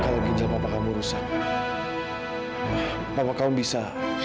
kalau ginjal papa kamu rusak papa kamu bisa